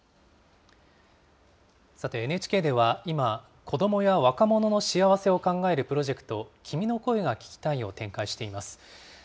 さてＮＨＫでは、今、子どもや若者の幸せを考えるプロジェクト、君の声が聴きたいを展開しています。